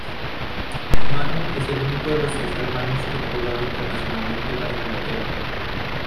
Manu es el único de los seis hermanos que ha jugado internacionalmente para Inglaterra.